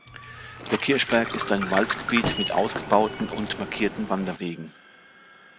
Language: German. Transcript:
Der Kirchberg ist ein Waldgebiet mit ausgebauten und markierten Wanderwegen.